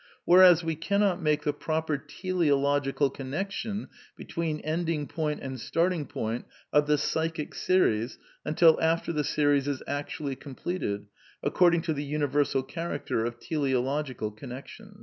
Whereas we cannot make the proper teleological connection between ending point and start ing point of the (psychic) series until after the series is actually completed, according to the universal character of teleological connections."